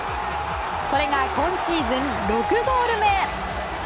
これが今シーズン６ゴール目。